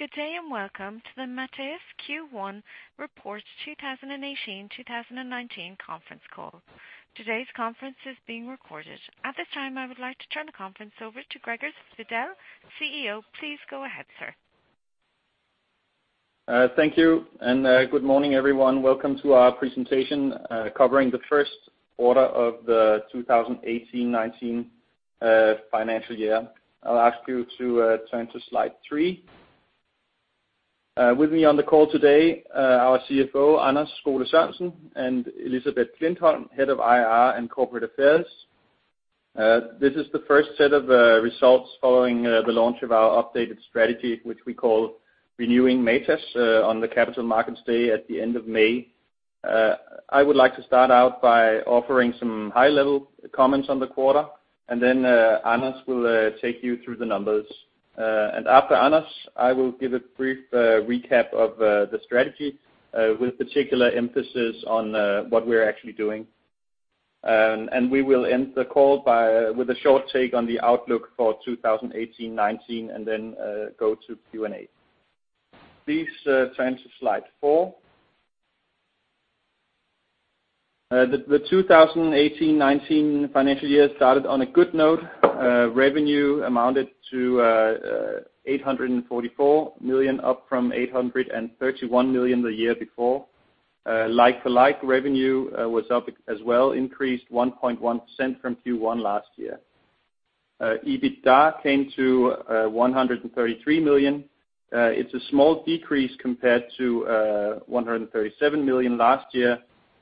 Good day and welcome to the Matas Q1 Report 2018/2019 conference call. Today's conference is being recorded. At this time, I would like to turn the conference over to Gregers Wedell-Wedellsborg, CEO. Please go ahead, sir. Thank you, and good morning, everyone. Welcome to our presentation, covering the first quarter of the 2018/19 financial year. I'll ask you to turn to slide three. With me on the call today, our CFO, Anders Skole-Sørensen, and Elisabeth Klintholm, Head of IR and Corporate Affairs. This is the first set of results following the launch of our updated strategy, which we call Renewing Matas, on the Capital Markets Day at the end of May. I would like to start out by offering some high-level comments on the quarter, and then Anders will take you through the numbers. After Anders, I will give a brief recap of the strategy with particular emphasis on what we're actually doing. We will end the call with a short take on the outlook for 2018/19, and then go to Q&A. Please turn to slide four. The 2018/19 financial year started on a good note. Revenue amounted to 844 million, up from 831 million the year before. like-for-like revenue was up as well, increased 1.1% from Q1 last year. EBITDA came to 133 million. It's a small decrease compared to 137 million last year.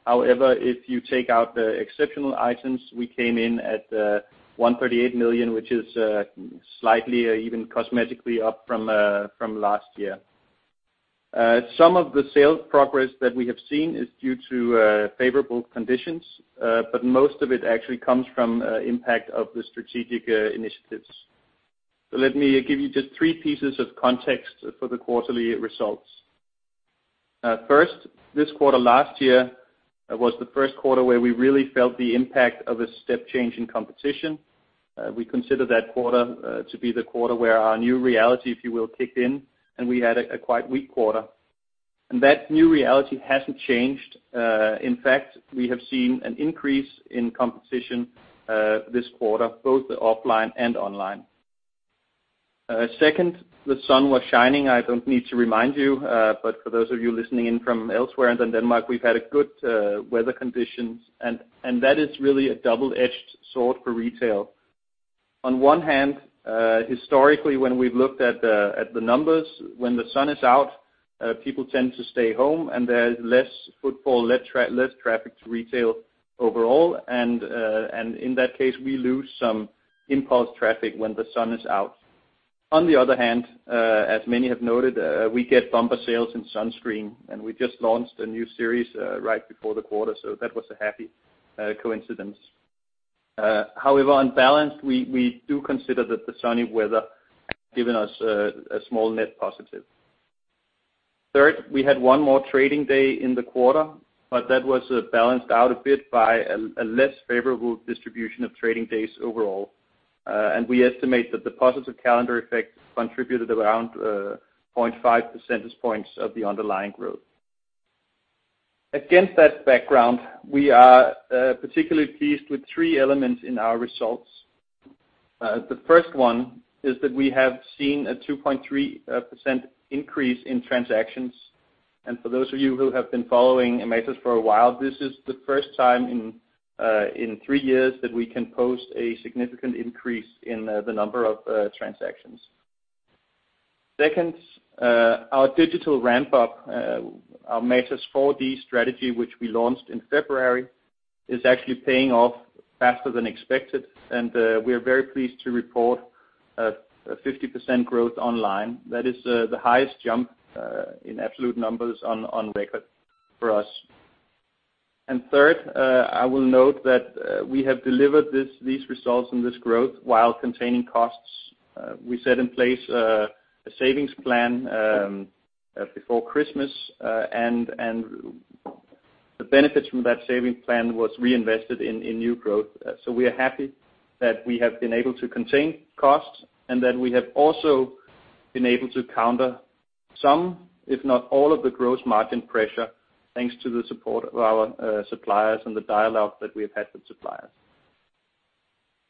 However, if you take out the exceptional items, we came in at 138 million, which is slightly, even cosmetically up from last year. Some of the sales progress that we have seen is due to favorable conditions, but most of it actually comes from impact of the strategic initiatives. Let me give you just three pieces of context for the quarterly results. First, this quarter last year was the first quarter where we really felt the impact of a step change in competition. We consider that quarter to be the quarter where our new reality, if you will, kicked in, and we had a quite weak quarter. That new reality hasn't changed. In fact, we have seen an increase in competition this quarter, both offline and online. Second, the sun was shining. I don't need to remind you, but for those of you listening in from elsewhere than Denmark, we've had a good weather conditions, and that is really a double-edged sword for retail. On one hand, historically, when we've looked at the numbers, when the sun is out, people tend to stay home, and there's less footfall, less traffic to retail overall. In that case, we lose some impulse traffic when the sun is out. On the other hand, as many have noted, we get bumper sales in sunscreen, we just launched a new series right before the quarter, so that was a happy coincidence. However, on balance, we do consider that the sunny weather has given us a small net positive. Third, we had one more trading day in the quarter, but that was balanced out a bit by a less favorable distribution of trading days overall. We estimate that the positive calendar effect contributed around 0.5 percentage points of the underlying growth. Against that background, we are particularly pleased with three elements in our results. The first one is that we have seen a 2.3% increase in transactions. For those of you who have been following Matas for a while, this is the first time in three years that we can post a significant increase in the number of transactions. Second, our digital ramp-up, our Matas 4D strategy, which we launched in February, is actually paying off faster than expected, and we are very pleased to report a 50% growth online. That is the highest jump in absolute numbers on record for us. Third, I will note that we have delivered these results and this growth while containing costs. We set in place a savings plan before Christmas, and the benefits from that savings plan was reinvested in new growth. We are happy that we have been able to contain costs and that we have also been able to counter some, if not all, of the gross margin pressure, thanks to the support of our suppliers and the dialogue that we've had with suppliers.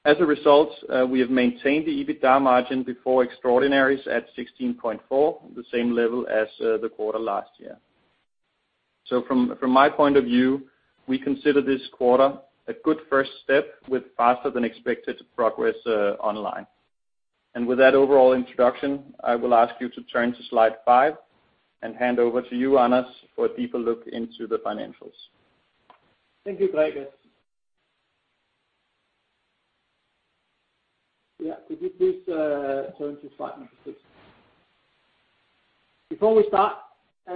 As a result, we have maintained the EBITDA margin before extraordinaries at 16.4%, the same level as the quarter last year. From my point of view, we consider this quarter a good first step with faster than expected progress online. With that overall introduction, I will ask you to turn to slide five and hand over to you, Anders, for a deeper look into the financials. Thank you, Gregers. Could you please turn to slide number six? Before we start,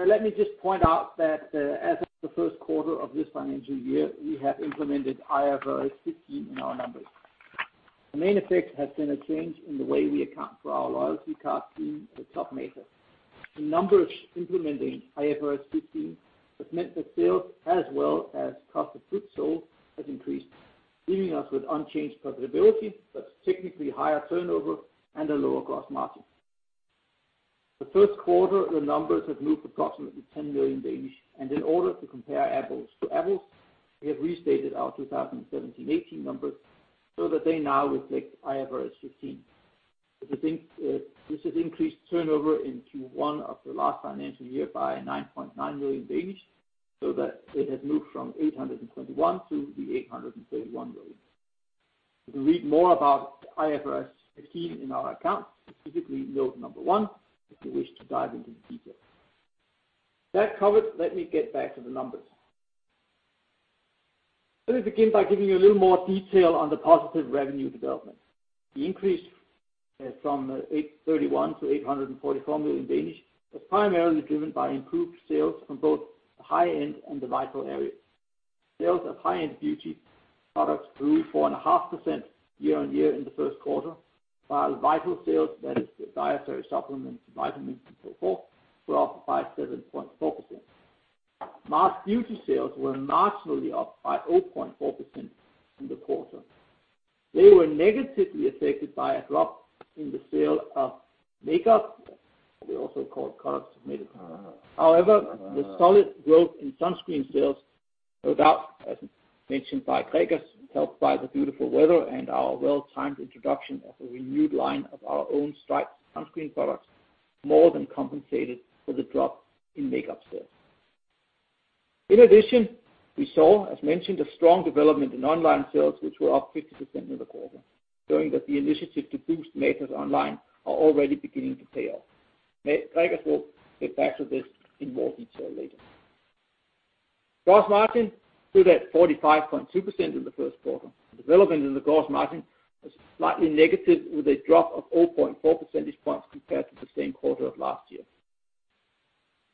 let me just point out that as of the first quarter of this financial year, we have implemented IFRS 16 in our numbers. The main effect has been a change in the way we account for our loyalty card scheme at TopMatas. The numbers implementing IFRS 16 has meant that sales, as well as cost of goods sold, has increased, leaving us with unchanged profitability, but technically higher turnover and a lower gross margin. The first quarter, the numbers have moved approximately 10 million, and in order to compare apples to apples, we have restated our 2017/18 numbers so that they now reflect IFRS 15. This has increased turnover into one of the last financial year by 9.9 million, so that it has moved from 821 million-831 million. You can read more about IFRS 15 in our accounts, specifically note number one if you wish to dive into the details. That covered, let me get back to the numbers. Let me begin by giving you a little more detail on the positive revenue development. The increase from 831 million to 844 million was primarily driven by improved sales from both the high-end and the vital areas. Sales of high-end beauty products grew 4.5% year-on-year in the first quarter, while vital sales, that is the dietary supplements, vitamins, and so forth, were up by 7.4%. Mass beauty sales were marginally up by 0.4% in the quarter. They were negatively affected by a drop in the sale of makeup. They are also called cosmetics. However, the solid growth in sunscreen sales, no doubt, as mentioned by Gregers, helped by the beautiful weather and our well-timed introduction of a renewed line of our own Stripes sunscreen products more than compensated for the drop in makeup sales. In addition, we saw, as mentioned, a strong development in online sales, which were up 50% in the quarter, showing that the initiative to boost Matas online are already beginning to pay off. Gregers will get back to this in more detail later. Gross margin stood at 45.2% in the first quarter. The development in the gross margin was slightly negative, with a drop of 0.4 percentage points compared to the same quarter of last year.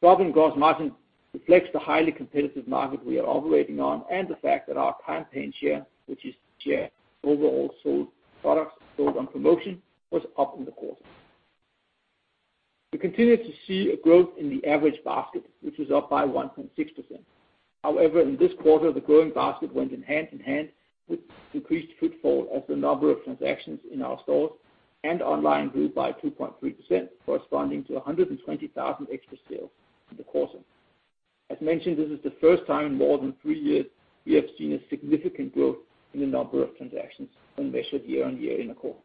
Drop in gross margin reflects the highly competitive market we are operating on and the fact that our campaign share, which is share of overall products sold on promotion, was up in the quarter. We continue to see a growth in the average basket, which was up by 1.6%. However, in this quarter, the growing basket went hand in hand with decreased footfall as the number of transactions in our stores and online grew by 2.3%, corresponding to 120,000 extra sales in the quarter. As mentioned, this is the first time in more than three years we have seen a significant growth in the number of transactions when measured year-on-year in a quarter.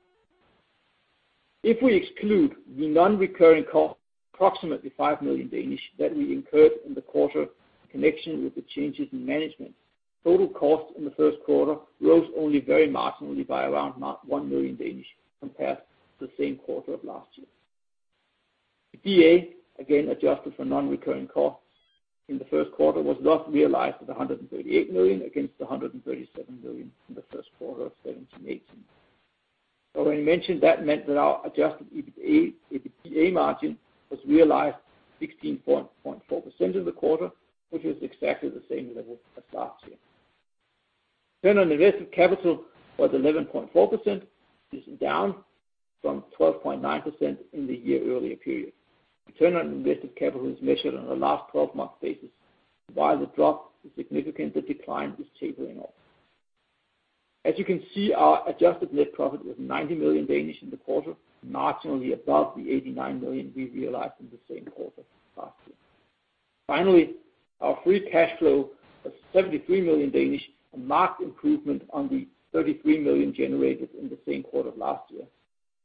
If we exclude the non-recurring cost, approximately 5 million that we incurred in the quarter in connection with the changes in management, total cost in the first quarter rose only very marginally by around 1 million compared to the same quarter of last year. The EBITDA, again, adjusted for non-recurring costs in the first quarter was thus realized at 138 million against 137 million in the first quarter of 2017/2018. When we mentioned that meant that our adjusted EBITDA margin was realized 16.4% in the quarter, which is exactly the same level as last year. Return on invested capital was 11.4%, this is down from 12.9% in the year earlier period. Return on invested capital is measured on a last 12-month basis. While the drop is significant, the decline is tapering off. As you can see, our adjusted net profit was 90 million in the quarter, marginally above the 89 million we realized in the same quarter last year. Finally, our free cash flow of 73 million, a marked improvement on the 33 million generated in the same quarter last year,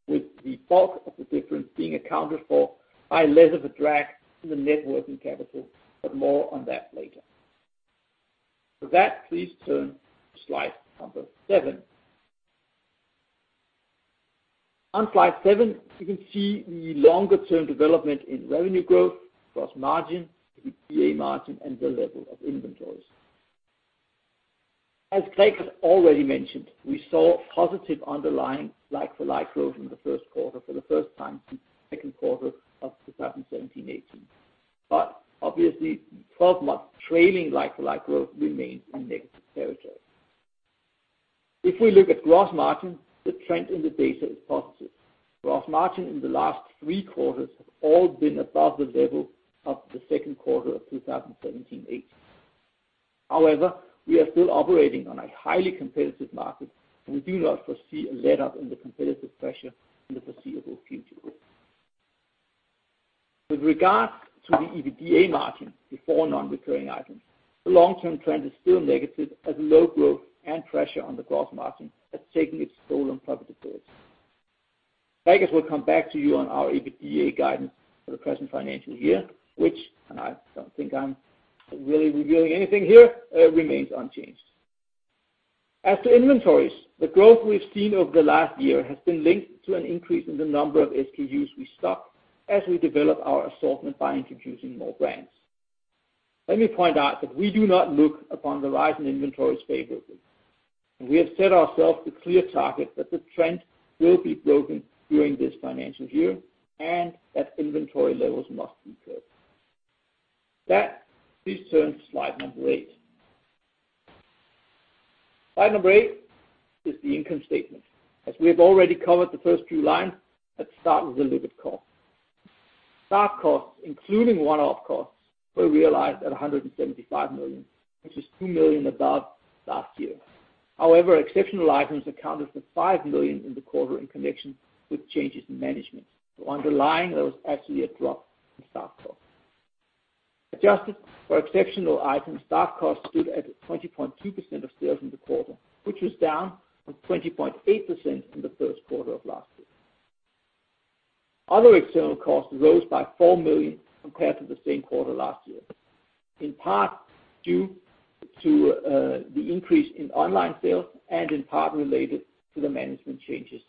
with the bulk of the difference being accounted for by less of a drag to the net working capital, but more on that later. For that, please turn to slide seven. On slide seven, you can see the longer-term development in revenue growth, gross margin, the EBITDA margin, and the level of inventories. As Gregers has already mentioned, we saw positive underlying like-for-like growth in the first quarter for the first time since second quarter of 2017/18. Obviously, 12 months trailing like-for-like growth remains in negative territory. If we look at gross margin, the trend in the data is positive. Gross margin in the last three quarters have all been above the level of the second quarter of 2017/18. However, we are still operating on a highly competitive market, and we do not foresee a letup in the competitive pressure in the foreseeable future. With regards to the EBITDA margin before non-recurring items, the long-term trend is still negative as low growth and pressure on the gross margin has taken its toll on profitability. Gregers will come back to you on our EBITDA guidance for the present financial year, which, and I don't think I'm really revealing anything here, remains unchanged. As to inventories, the growth we've seen over the last year has been linked to an increase in the number of SKUs we stock as we develop our assortment by introducing more brands. Let me point out that we do not look upon the rise in inventories favorably, and we have set ourselves the clear target that the trend will be broken during this financial year and that inventory levels must be curbed. That please turn to slide eight. Slide eight is the income statement. As we have already covered the first few lines, let's start with Staff costs, including one-off costs, were realized at 175 million, which is 2 million above last year. However, exceptional items accounted for 5 million in the quarter in connection with changes in management. Underlying, there was actually a drop in staff costs. Adjusted for exceptional items, staff costs stood at 20.2% of sales in the quarter, which was down from 20.8% in the first quarter of last year. Other external costs rose by 4 million compared to the same quarter last year, in part due to the increase in online sales and in part related to the management changes.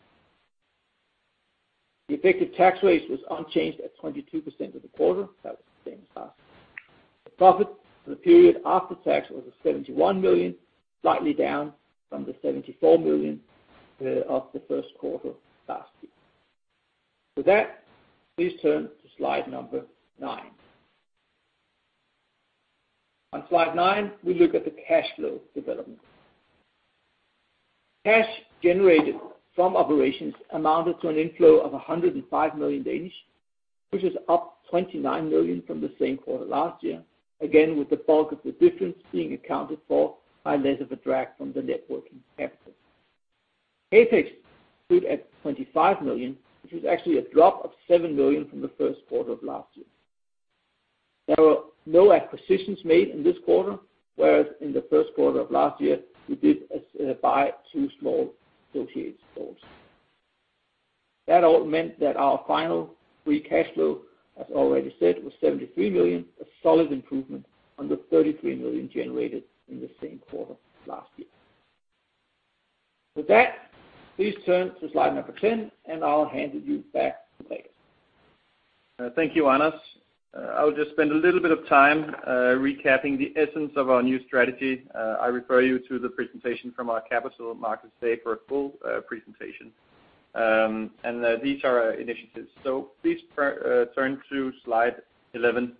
The effective tax rate was unchanged at 22% of the quarter. That was the same as last year. The profit for the period after tax was at 71 million, slightly down from the 74 million of the first quarter last year. With that, please turn to slide nine. On slide nine, we look at the cash flow development. Cash generated from operations amounted to an inflow of 105 million, which is up 29 million from the same quarter last year, again, with the bulk of the difference being accounted for by less of a drag from the net working capital. CapEx stood at 25 million, which was actually a drop of 7 million from the first quarter of last year. There were no acquisitions made in this quarter, whereas in the first quarter of last year, we did buy two small associated stores. That all meant that our final free cash flow, as already said, was 73 million, a solid improvement on the 33 million generated in the same quarter last year. With that, please turn to slide number 10, and I'll hand you back to Gregers. Thank you, Anders. I will just spend a little bit of time recapping the essence of our new strategy. I refer you to the presentation from our Capital Markets Day for a full presentation, and these are our initiatives. Please turn to slide 11.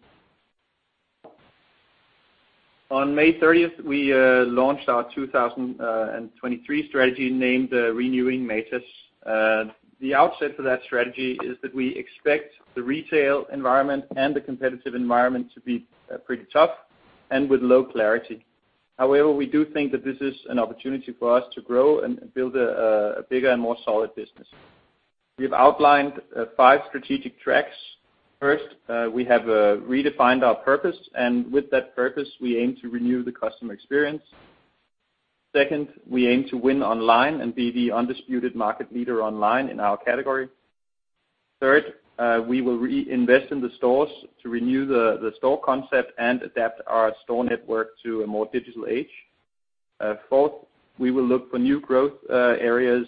On May 30th, we launched our 2023 strategy named Renewing Matas. The outset for that strategy is that we expect the retail environment and the competitive environment to be pretty tough and with low clarity. However, we do think that this is an opportunity for us to grow and build a bigger and more solid business. We've outlined five strategic tracks. First, we have redefined our purpose, and with that purpose, we aim to renew the customer experience. Second, we aim to win online and be the undisputed market leader online in our category. Third, we will reinvest in the stores to renew the store concept and adapt our store network to a more digital age. Fourth, we will look for new growth areas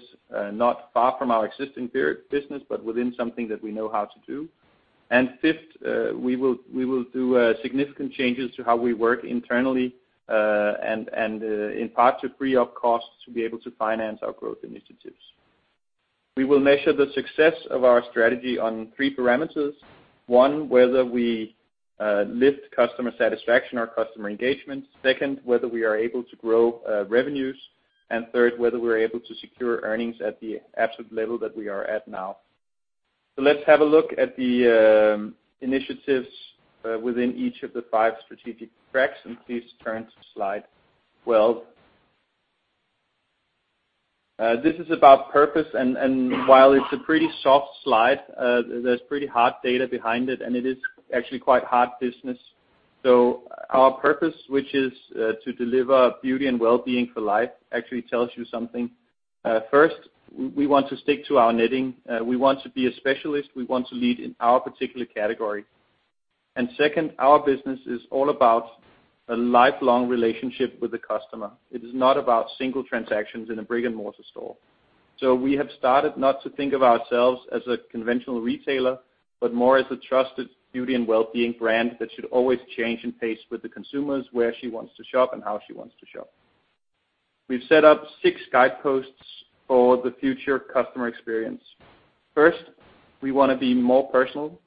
not far from our existing business, but within something that we know how to do. Fifth, we will do significant changes to how we work internally, and in part to free up costs to be able to finance our growth initiatives. We will measure the success of our strategy on three parameters. One, whether we lift customer satisfaction or customer engagement. Second, whether we are able to grow revenues. Third, whether we're able to secure earnings at the absolute level that we are at now. Let's have a look at the initiatives within each of the five strategic tracks, and please turn to slide 12. This is about purpose, and while it's a pretty soft slide, there's pretty hard data behind it, and it is actually quite hard business. Our purpose, which is to deliver beauty and wellbeing for life, actually tells you something. First, we want to stick to our knitting. We want to be a specialist. We want to lead in our particular category. Second, our business is all about a lifelong relationship with the customer. It is not about single transactions in a brick-and-mortar store. We have started not to think of ourselves as a conventional retailer, but more as a trusted beauty and wellbeing brand that should always change and pace with the consumers where she wants to shop and how she wants to shop. We've set up six guideposts for the future customer experience. First, we want to be more personal,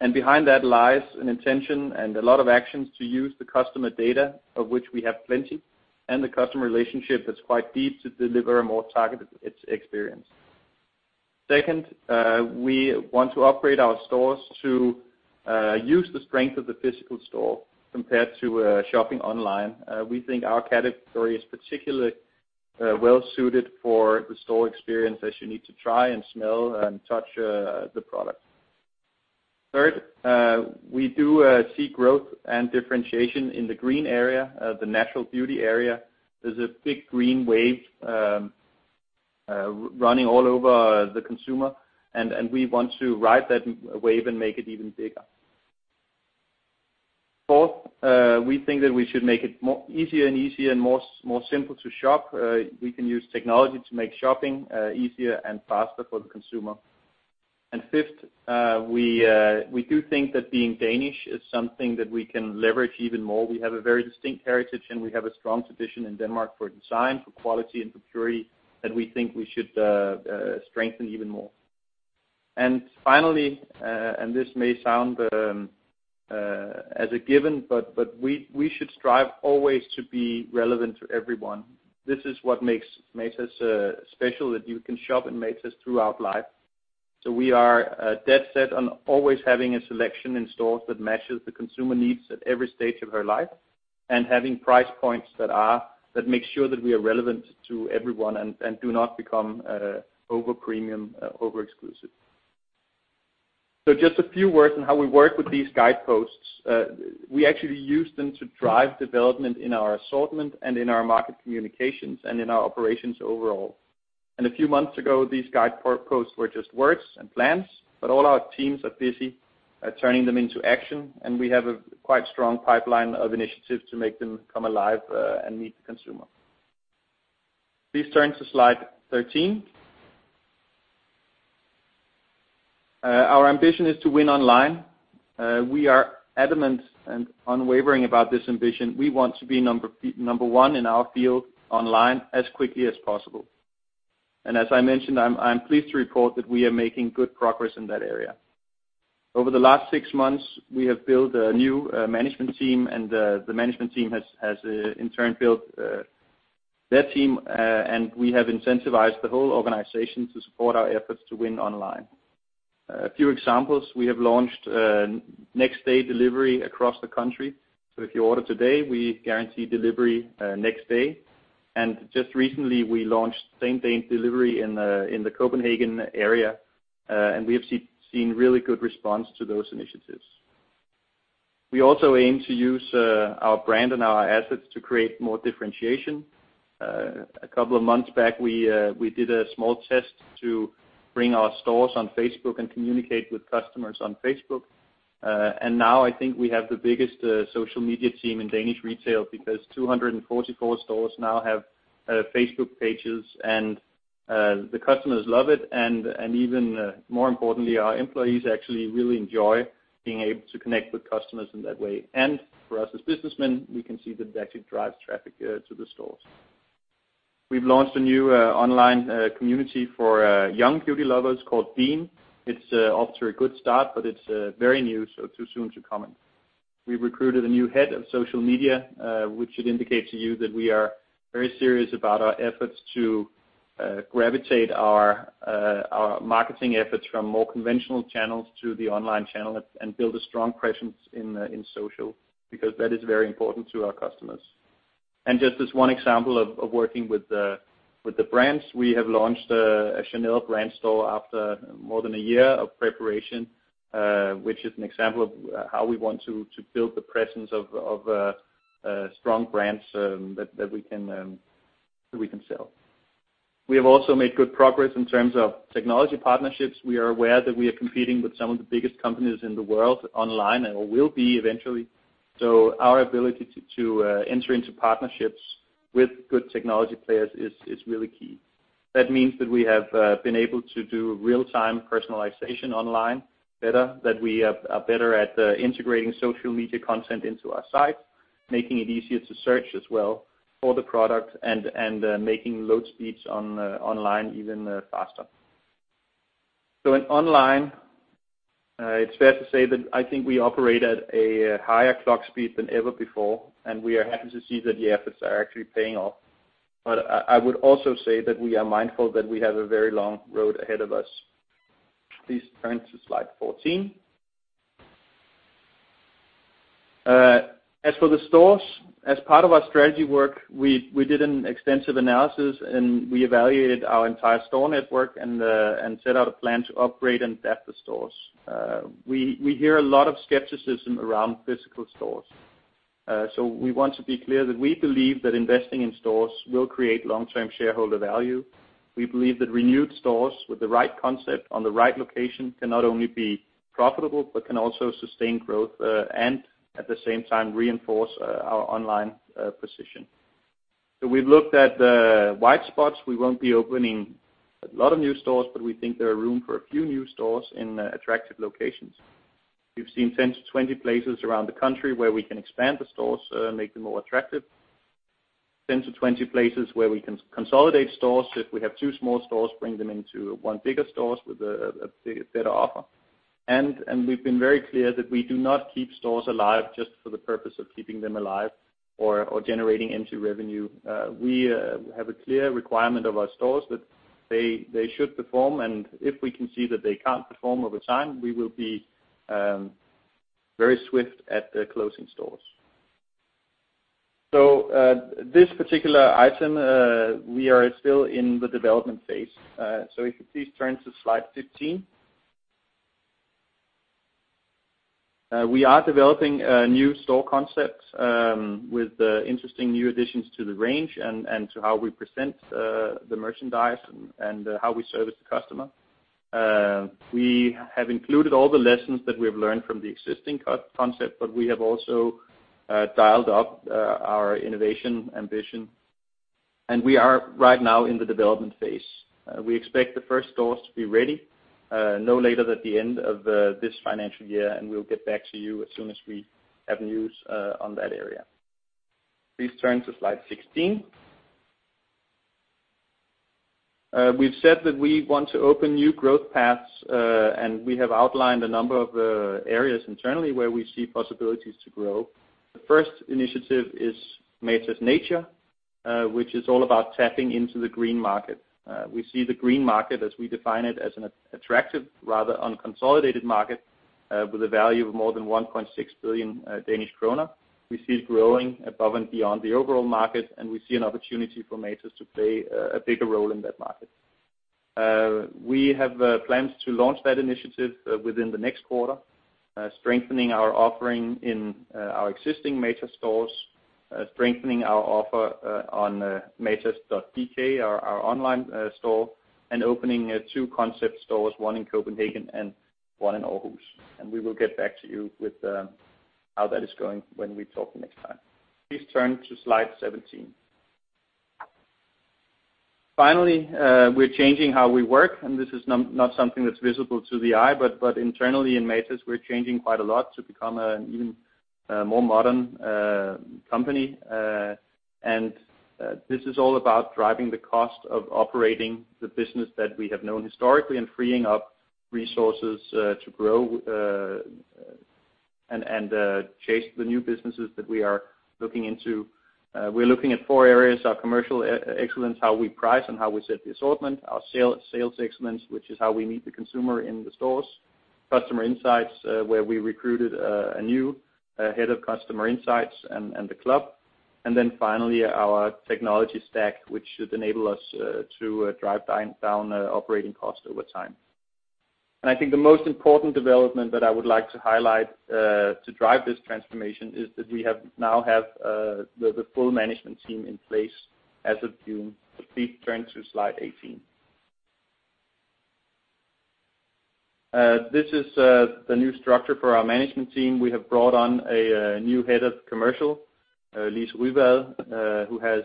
and behind that lies an intention and a lot of actions to use the customer data, of which we have plenty, and the customer relationship that's quite deep to deliver a more targeted experience. Second, we want to upgrade our stores to use the strength of the physical store compared to shopping online. We think our category is particularly well-suited for the store experience as you need to try and smell and touch the product. Third, we do see growth and differentiation in the green area, the natural beauty area. There's a big green wave running all over the consumer, and we want to ride that wave and make it even bigger. Fourth, we think that we should make it easier and easier and more simple to shop. We can use technology to make shopping easier and faster for the consumer. Fifth, we do think that being Danish is something that we can leverage even more. We have a very distinct heritage, and we have a strong tradition in Denmark for design, for quality, and for purity that we think we should strengthen even more. Finally, this may sound as a given, but we should strive always to be relevant to everyone. This is what makes Matas special, that you can shop in Matas throughout life. We are dead set on always having a selection in stores that matches the consumer needs at every stage of her life, and having price points that make sure that we are relevant to everyone and do not become over premium, over exclusive. Just a few words on how we work with these guideposts. We actually use them to drive development in our assortment and in our market communications, and in our operations overall. A few months ago, these guideposts were just words and plans, but all our teams are busy at turning them into action, and we have a quite strong pipeline of initiatives to make them come alive and meet the consumer. Please turn to Slide 13. Our ambition is to win online. We are adamant and unwavering about this ambition. We want to be number one in our field online as quickly as possible. As I mentioned, I'm pleased to report that we are making good progress in that area. Over the last 6 months, we have built a new management team, and the management team has in turn built their team, and we have incentivized the whole organization to support our efforts to win online. A few examples, we have launched next-day delivery across the country. If you order today, we guarantee delivery next day. Just recently, we launched same-day delivery in the Copenhagen area, and we have seen really good response to those initiatives. We also aim to use our brand and our assets to create more differentiation. A couple of months back, we did a small test to bring our stores on Facebook and communicate with customers on Facebook. Now I think we have the biggest social media team in Danish retail because 244 stores now have Facebook pages, and the customers love it. Even more importantly, our employees actually really enjoy being able to connect with customers in that way. For us as businessmen, we can see that it actually drives traffic to the stores. We've launched a new online community for young beauty lovers called Beam. It's off to a good start, but it's very new, so too soon to comment. We recruited a new head of social media, which should indicate to you that we are very serious about our efforts to gravitate our marketing efforts from more conventional channels to the online channel and build a strong presence in social, because that is very important to our customers. Just as one example of working with the brands, we have launched a Chanel brand store after more than one year of preparation, which is an example of how we want to build the presence of strong brands that we can sell. We have also made good progress in terms of technology partnerships. We are aware that we are competing with some of the biggest companies in the world online, or will be eventually. Our ability to enter into partnerships with good technology players is really key. That means that we have been able to do real-time personalization online better, that we are better at integrating social media content into our site, making it easier to search as well for the product, and making load speeds online even faster. In online, it's fair to say that I think we operate at a higher clock speed than ever before, and we are happy to see that the efforts are actually paying off. I would also say that we are mindful that we have a very long road ahead of us. Please turn to Slide 14. As for the stores, as part of our strategy work, we did an extensive analysis, and we evaluated our entire store network and set out a plan to upgrade and adapt the stores. We hear a lot of skepticism around physical stores. We want to be clear that we believe that investing in stores will create long-term shareholder value. We believe that renewed stores with the right concept on the right location can not only be profitable but can also sustain growth and at the same time reinforce our online position. We've looked at the white spots. We won't be opening a lot of new stores, but we think there are room for a few new stores in attractive locations. We've seen 10 to 20 places around the country where we can expand the stores, make them more attractive. 10 to 20 places where we can consolidate stores. If we have two small stores, bring them into one bigger store with a better offer. We've been very clear that we do not keep stores alive just for the purpose of keeping them alive or generating into revenue. We have a clear requirement of our stores that they should perform, and if we can see that they can't perform over time, we will be very swift at closing stores. This particular item, we are still in the development phase. If you please turn to Slide 15. We are developing new store concepts with interesting new additions to the range and to how we present the merchandise and how we service the customer. We have included all the lessons that we've learned from the existing concept, but we have also dialed up our innovation ambition, and we are right now in the development phase. We expect the first stores to be ready no later than the end of this financial year. We'll get back to you as soon as we have news on that area. Please turn to slide 16. We've said that we want to open new growth paths. We have outlined a number of areas internally where we see possibilities to grow. The first initiative is Matas Natur, which is all about tapping into the green market. We see the green market as we define it as an attractive, rather unconsolidated market with a value of more than 1.6 billion Danish krone. We see it growing above and beyond the overall market. We see an opportunity for Matas to play a bigger role in that market. We have plans to launch that initiative within the next quarter, strengthening our offering in our existing Matas stores, strengthening our offer on matas.dk, our online store, and opening two concept stores, one in Copenhagen and one in Aarhus. We will get back to you with how that is going when we talk next time. Please turn to slide 17. Finally, we're changing how we work. This is not something that's visible to the eye. Internally in Matas, we're changing quite a lot to become an even more modern company. This is all about driving the cost of operating the business that we have known historically and freeing up resources to grow and chase the new businesses that we are looking into. We're looking at four areas: our commercial excellence, how we price and how we set the assortment; our sales excellence, which is how we meet the consumer in the stores; customer insights, where we recruited a new head of customer insights and Club Matas; and finally, our technology stack, which should enable us to drive down operating costs over time. I think the most important development that I would like to highlight to drive this transformation is that we now have the full management team in place as of June. Please turn to slide 18. This is the new structure for our management team. We have brought on a new head of commercial, Lise Ryevad, who has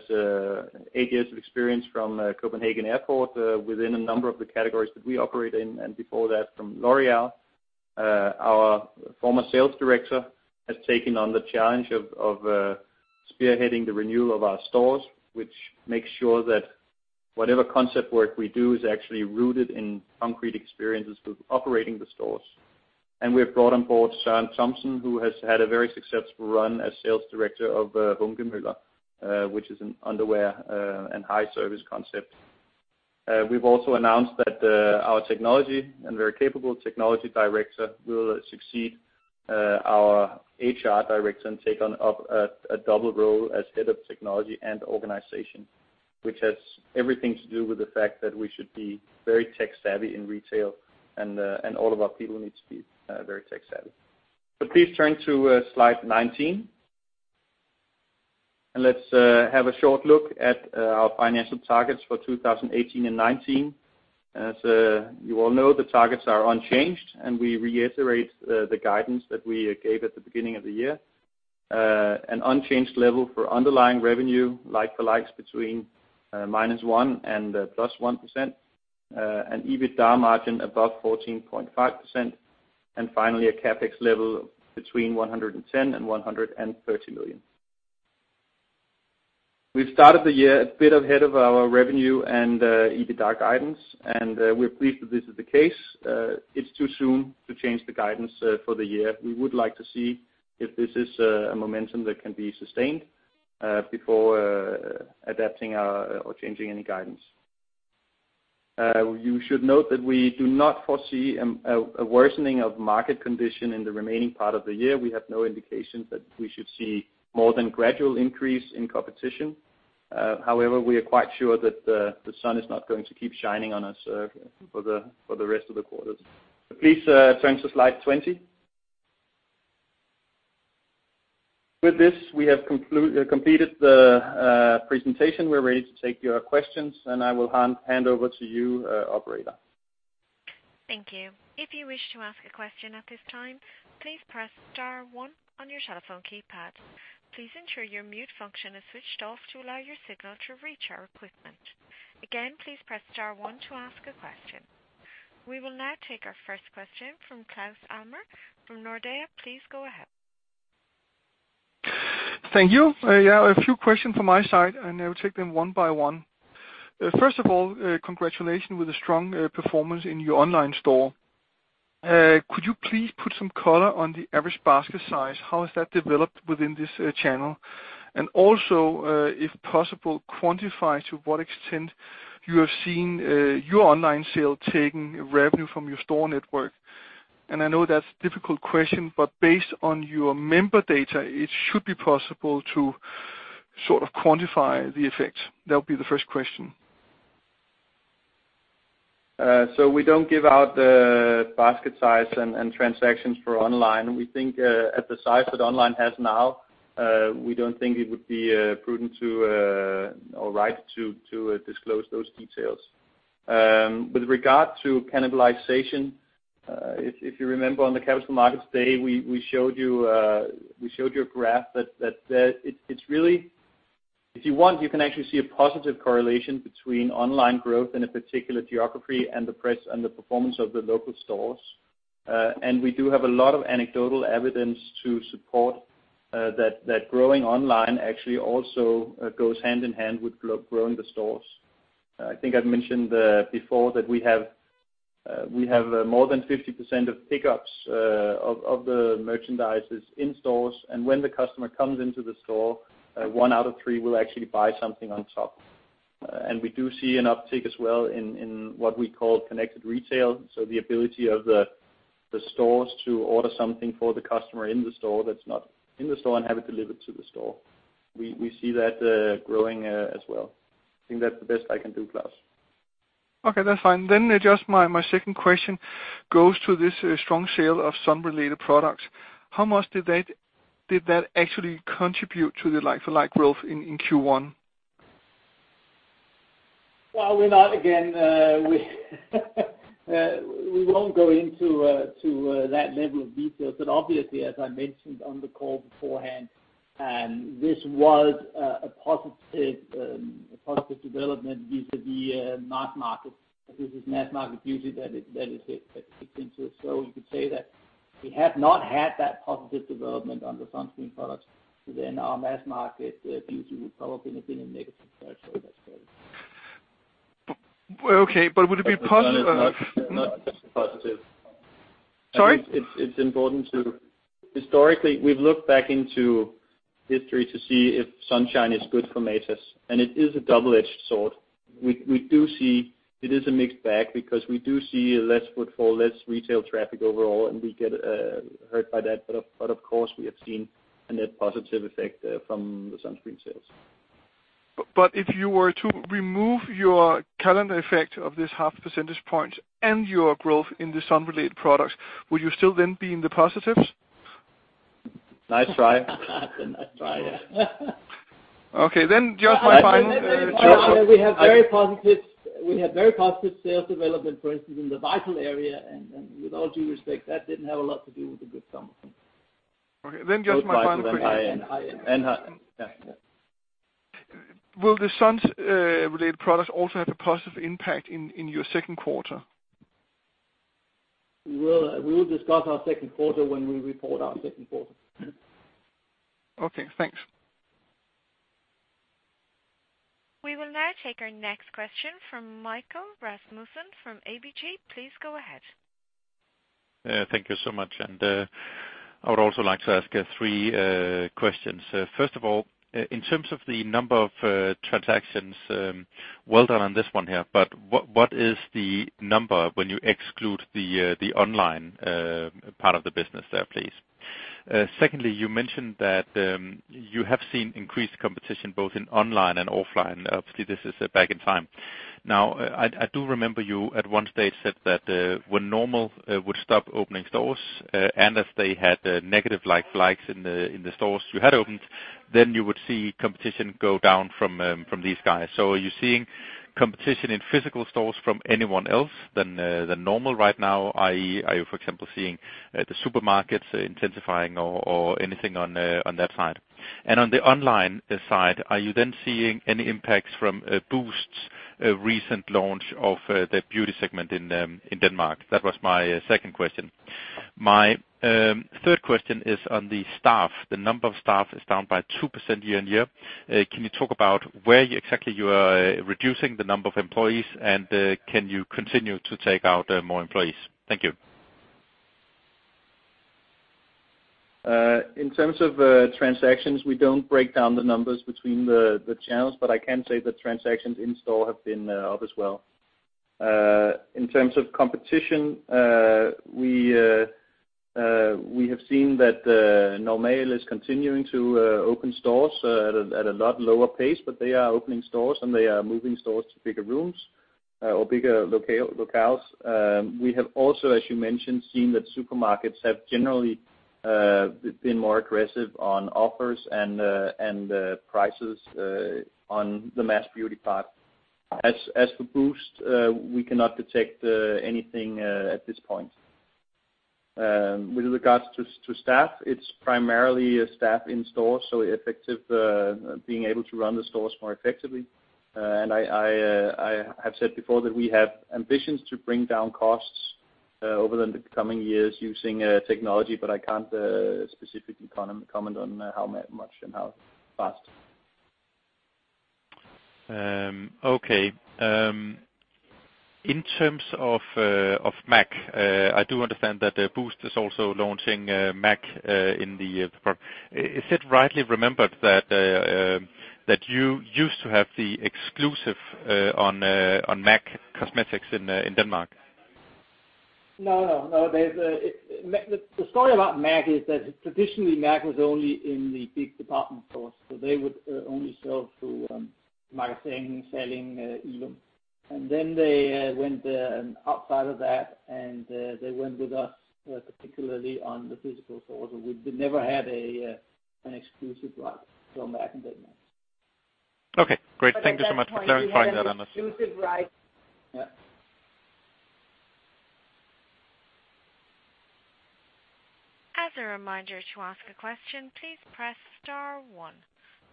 eight years of experience from Copenhagen Airport within a number of the categories that we operate in, and before that, from L'Oréal. Our former sales director has taken on the challenge of spearheading the renewal of our stores, which makes sure that whatever concept work we do is actually rooted in concrete experiences with operating the stores. We have brought on board Søren Thomsen, who has had a very successful run as sales director of [Vong & Møller] which is an underwear and high service concept. We've also announced that our technology and very capable technology director will succeed our HR director and take on a double role as head of technology and organization, which has everything to do with the fact that we should be very tech-savvy in retail and all of our people need to be very tech-savvy. Please turn to slide 19. Let's have a short look at our financial targets for 2018 and 2019. As you all know, the targets are unchanged. We reiterate the guidance that we gave at the beginning of the year. An unchanged level for underlying revenue, like-for-like between -1% and +1%, an EBITDA margin above 14.5%, and finally, a CapEx level between 110 million and 130 million. We've started the year a bit ahead of our revenue and EBITDA guidance. We're pleased that this is the case. It's too soon to change the guidance for the year. We would like to see if this is a momentum that can be sustained before adapting or changing any guidance. You should note that we do not foresee a worsening of market condition in the remaining part of the year. We have no indications that we should see more than gradual increase in competition. However, we are quite sure that the sun is not going to keep shining on us for the rest of the quarters. Please turn to slide 20. With this, we have completed the presentation. We're ready to take your questions. I will hand over to you, operator. Thank you. If you wish to ask a question at this time, please press star one on your telephone keypad. Please ensure your mute function is switched off to allow your signal to reach our equipment. Again, please press star one to ask a question. We will now take our first question from Claus Almer from Nordea. Please go ahead. Thank you. Yeah, a few questions from my side. I will take them one by one. First of all, congratulations with the strong performance in your online store. Could you please put some color on the average basket size? How has that developed within this channel? Also, if possible, quantify to what extent you have seen your online sale taking revenue from your store network. I know that's a difficult question, but based on your member data, it should be possible to sort of quantify the effect. That'll be the first question. We don't give out the basket size and transactions for online. We think at the size that online has now, we don't think it would be prudent or right to disclose those details. With regard to cannibalization, if you remember on the Capital Markets Day, we showed you a graph that it's really, if you want, you can actually see a positive correlation between online growth in a particular geography and the price and the performance of the local stores. We do have a lot of anecdotal evidence to support that growing online actually also goes hand in hand with growing the stores. I think I've mentioned before that we have more than 50% of pickups of the merchandise is in stores, and when the customer comes into the store, one out of three will actually buy something on top. We do see an uptick as well in what we call connected retail, so the ability of the stores to order something for the customer in the store that's not in the store and have it delivered to the store. We see that growing as well. I think that's the best I can do, Claus. Okay, that's fine. Just my second question goes to this strong sale of sun-related products. How much did that actually contribute to the like-for-like growth in Q1? We're not, again, we won't go into that level of detail. Obviously, as I mentioned on the call beforehand, this was a positive development due to the mass market. This is mass market beauty that it fits into. You could say that we had not had that positive development on the sunscreen products, then our mass market beauty would probably have been in negative territory, that's correct. Okay, would it be? Not just a positive. Sorry? It's important historically, we've looked back into history to see if sunshine is good for Matas, and it is a double-edged sword. We do see it is a mixed bag because we do see less footfall, less retail traffic overall, and we get hurt by that. Of course, we have seen a net positive effect from the sunscreen sales. If you were to remove your calendar effect of this half percentage point and your growth in the sun-related products, would you still then be in the positives? Nice try. Nice try, yeah. Okay, just my. We have very positive sales development, for instance, in the vital area, and with all due respect, that didn't have a lot to do with the good summer. Okay, just my final question. Both vital and high-end. Will the sun's related products also have a positive impact in your second quarter? We will discuss our second quarter when we report our second quarter. Okay, thanks. We will now take our next question from Mikkel Rasmussen from ABG. Please go ahead. Thank you so much. I would also like to ask three questions. First of all, in terms of the number of transactions, well done on this one here, but what is the number when you exclude the online part of the business there, please? Secondly, you mentioned that you have seen increased competition both in online and offline. Obviously, this is back in time. Now, I do remember you at one stage said that when Normal would stop opening stores, and if they had negative like-for-likes in the stores you had opened, then you would see competition go down from these guys. So are you seeing competition in physical stores from anyone else than Normal right now, i.e., are you, for example, seeing the supermarkets intensifying or anything on that side? On the online side, are you then seeing any impacts from Boozt's recent launch of their beauty segment in Denmark? That was my second question. My third question is on the staff. The number of staff is down by 2% year-on-year. Can you talk about where exactly you are reducing the number of employees, and can you continue to take out more employees? Thank you. In terms of transactions, we don't break down the numbers between the channels, but I can say that transactions in-store have been up as well. In terms of competition, we have seen that Normal is continuing to open stores at a lot lower pace, but they are opening stores, and they are moving stores to bigger rooms or bigger locales. We have also, as you mentioned, seen that supermarkets have generally been more aggressive on offers and prices on the mass beauty part. As for Boozt, we cannot detect anything at this point. With regards to staff, it's primarily staff in stores, so effective being able to run the stores more effectively. I have said before that we have ambitions to bring down costs over the coming years using technology, but I can't specifically comment on how much and how fast. Okay. In terms of MAC, I do understand that Boozt is also launching MAC in the program. Is it rightly remembered that you used to have the exclusive on MAC cosmetics in Denmark? No. The story about MAC is that traditionally MAC was only in the big department stores, so they would only sell through Magasin, Salling, Illum. They went outside of that, and they went with us, particularly on the physical stores. We never had an exclusive right for MAC in Denmark. Okay, great. Thank you so much for clarifying that on us. Exclusive right. Yeah. As a reminder, to ask a question, please press star one.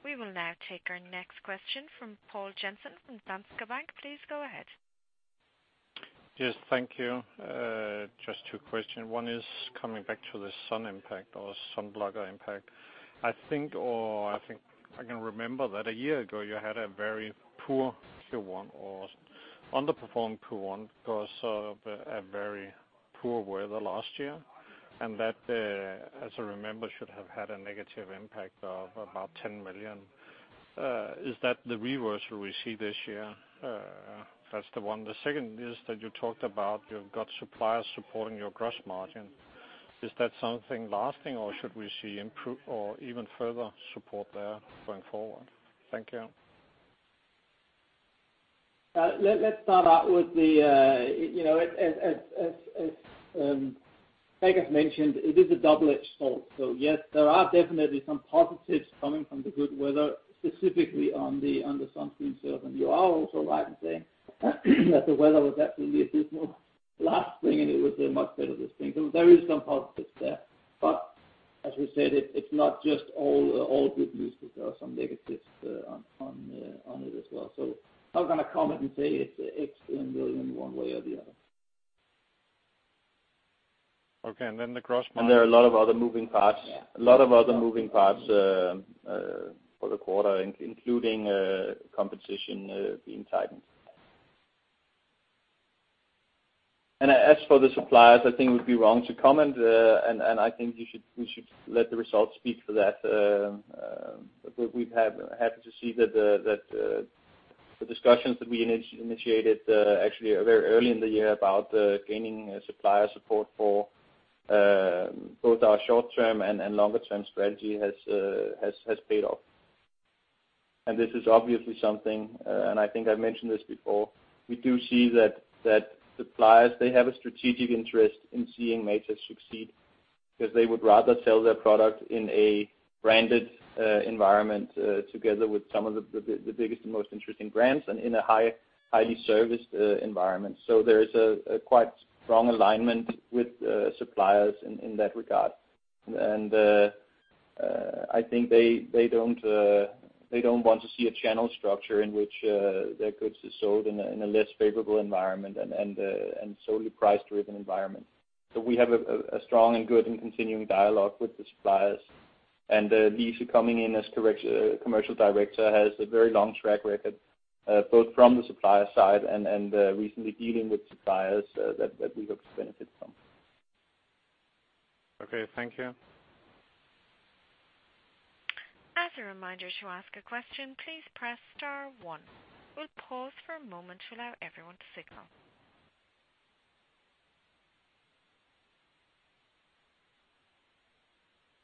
We will now take our next question from Poul Jessen from Danske Bank. Please go ahead. Yes, thank you. Just two questions. One is coming back to the sun impact or sun blocker impact. I think I can remember that a year ago you had a very poor Q1 or underperformed Q1 because of a very poor weather last year, and that, as I remember, should have had a negative impact of about 10 million. Is that the reverse we see this year? That's the one. The second is that you talked about you've got suppliers supporting your gross margin. Is that something lasting or should we see improved or even further support there going forward? Thank you. Let's start out with, as Gregers has mentioned, it is a double-edged sword. Yes, there are definitely some positives coming from the good weather, specifically on the sunscreen sales. You are also right in saying that the weather was actually abysmal last spring, and it was much better this spring. There is some positives there. As we said, it's not just all good news because there are some negatives on it as well. I'm not going to comment and say it's X million one way or the other. Okay, then the gross margin. There are a lot of other moving parts for the quarter, including competition being tightened. As for the suppliers, I think it would be wrong to comment, and I think we should let the results speak for that. We're happy to see that the discussions that we initiated actually very early in the year about gaining supplier support for both our short-term and longer-term strategy has paid off. This is obviously something, and I think I've mentioned this before, we do see that suppliers, they have a strategic interest in seeing Matas succeed, because they would rather sell their product in a branded environment together with some of the biggest and most interesting brands and in a highly serviced environment. There is a quite strong alignment with suppliers in that regard. I think they don't want to see a channel structure in which their goods are sold in a less favorable environment and solely price-driven environment. We have a strong and good and continuing dialogue with the suppliers. Lise coming in as commercial director has a very long track record both from the supplier side and recently dealing with suppliers that we look to benefit from. Okay, thank you. As a reminder, to ask a question, please press star one. We'll pause for a moment to allow everyone to signal.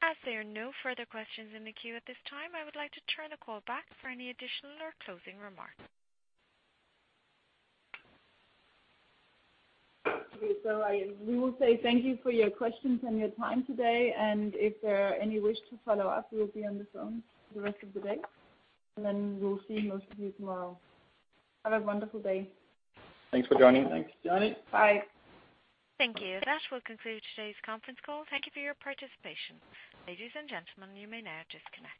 As there are no further questions in the queue at this time, I would like to turn the call back for any additional or closing remarks. Okay. We will say thank you for your questions and your time today, and if there are any wish to follow up, we'll be on the phone for the rest of the day, and then we'll see most of you tomorrow. Have a wonderful day. Thanks for joining. Thanks for joining. Bye. Thank you. That will conclude today's conference call. Thank you for your participation. Ladies and gentlemen, you may now disconnect.